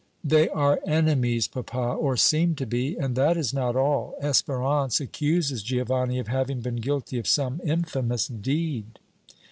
"They are enemies, papa, or seem to be, and that is not all Espérance accuses Giovanni of having been guilty of some infamous deed."